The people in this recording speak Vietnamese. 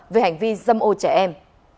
về hành vi dâm ô trẻ em